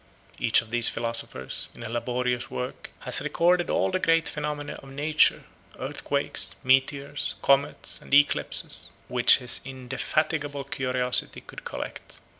Each of these philosophers, in a laborious work, has recorded all the great phenomena of Nature, earthquakes, meteors, comets, and eclipses, which his indefatigable curiosity could collect.